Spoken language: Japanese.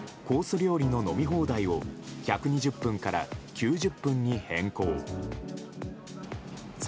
料理の飲み放題を１２０分から９０分に変更。